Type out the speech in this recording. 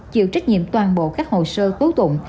chịu trách nhiệm toàn bộ các hồ sơ tố tụng